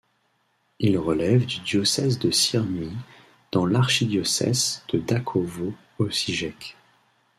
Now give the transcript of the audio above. Il relève du diocèse de Syrmie dans l'archidiocèse de Đakovo-Osijek.